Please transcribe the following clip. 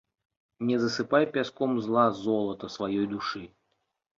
Не засыпай пяском зла золата сваёй душы.